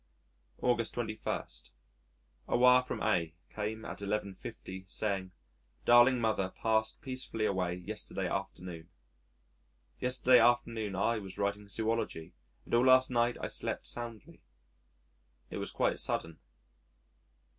August 21. A wire from A came at 11.50 saying "Darling Mother passed peacefully away yesterday afternoon." ... Yesterday afternoon I was writing Zoology and all last night I slept soundly.... It was quite sudden.